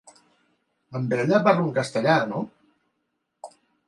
Amb ella parlo en castellà, no?